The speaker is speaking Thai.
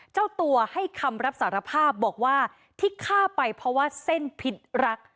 เจ้าตัวให้คำรับสารภาพบอกว่าที่ฆ่าไปเพราะว่าเส้นพิษรัก